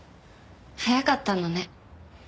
早かったのね。